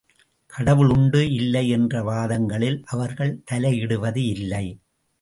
கடவுள் உண்டு இல்லை என்ற வாதங்களில் அவர்கள் தலையிடுவது இல்லை.